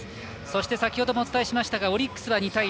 そして先ほどもお伝えしましたがオリックスは２対０。